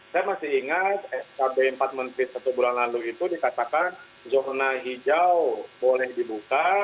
saya masih ingat skb empat menteri satu bulan lalu itu dikatakan zona hijau boleh dibuka